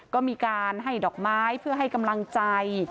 ก็มีการให้ดอกไม้เพื่อให้กำลังใจ